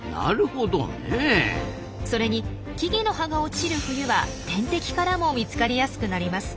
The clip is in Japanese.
それに木々の葉が落ちる冬は天敵からも見つかりやすくなります。